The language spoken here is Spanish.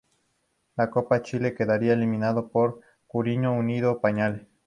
En Copa Chile quedaría eliminado por Curicó Unido en penales.